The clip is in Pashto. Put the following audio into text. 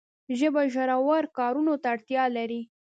ژبه ژورو کارونو ته اړتیا لري.